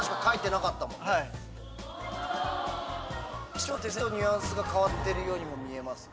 ちょっとニュアンスが変わってるようにも見えますが。